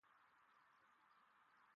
باور د ټولنې د ثبات پله جوړوي.